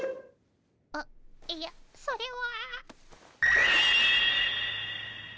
あっいやそれは。